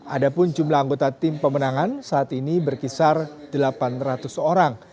ada pun jumlah anggota tim pemenangan saat ini berkisar delapan ratus orang